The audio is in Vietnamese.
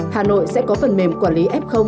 hà nội sẽ có phần mềm quản lý f